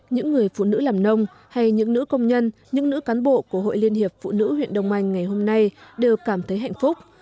những người phụ nữ làm nông hay những nữ công nhân những nữ cán bộ của hội liên hiệp phụ nữ huyện đông anh ngày hôm nay đều cảm thấy hạnh phúc